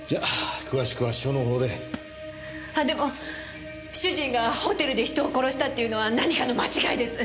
あでも主人がホテルで人を殺したっていうのは何かの間違いです！